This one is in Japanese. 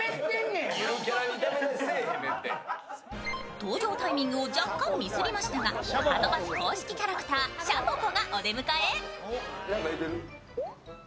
登場タイミングを若干ミスりましたが、はとバス公式キャラクター、しゃぽぽがお出迎え。